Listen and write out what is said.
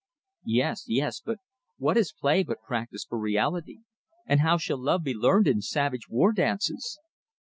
"Yes, yes! But what is play but practice for reality? And how shall love be learned in savage war dances?"